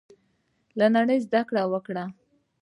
له نړۍ زده کړه وکړو.